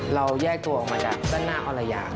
เราแยกตัวออกมาจากด้านหน้าอรยา